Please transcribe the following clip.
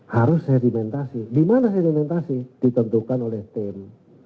harus sedimentasi dimana sedimentasi ditentukan oleh tim